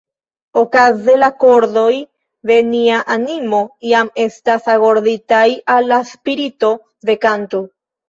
Okaze la kordoj de nia animo jam estas agorditaj al la spirito de kanto.